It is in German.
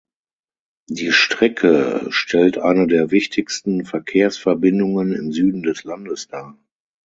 Die Strecke stellt eine der wichtigsten Verkehrsverbindungen im Süden des Landes dar.